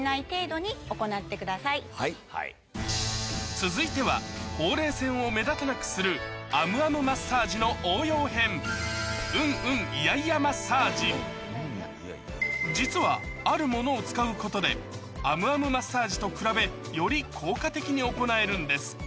続いてはほうれい線を目立たなくするあむあむマッサージの応用編実はあるものを使うことであむあむマッサージと比べより効果的に行えるんです